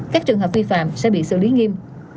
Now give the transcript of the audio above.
các trường hợp vi phạm sẽ bị xử lý nghiêm